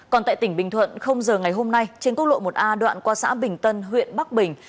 còn tại tỉnh bình thuận giờ ngày hôm nay trên quốc lộ một a đoạn qua xã bình tân huyện bắc bình